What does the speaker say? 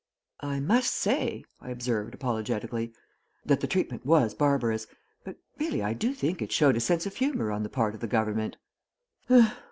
"I must say," I observed, apologetically, "that the treatment was barbarous, but really I do think it showed a sense of humor on the part of the government."